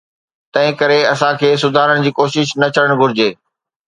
تنهن ڪري، اسان کي سڌارڻ جي ڪوشش نه ڇڏڻ گهرجي؟